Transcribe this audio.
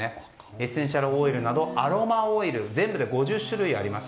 エッセンシャルオイルなどアロマオイル全部で５０種類あります。